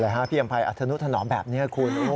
ตอนนี้พี่อำไพยอธนุถนมแบบนี้คุณ